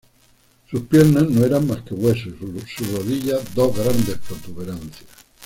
Sus piernas no eran más que huesos y sus rodillas dos grandes protuberancias.